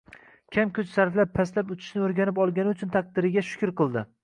kam kuch sarflab pastlab uchishni o‘rganib olgani uchun taqdiriga shukr qildi.